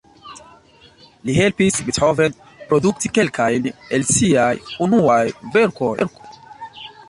Li helpis Beethoven produkti kelkajn el siaj unuaj verkoj.